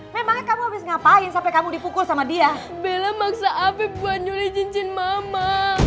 memang kamu ngapain sampai kamu dipukul sama dia bela maksa afif buat nyuri cincin mama